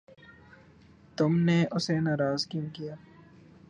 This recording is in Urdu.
تم نے اسے ناراض کیوں کیا؟